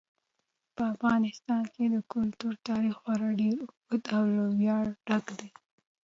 په افغانستان کې د کلتور تاریخ خورا ډېر اوږد او له ویاړه ډک دی.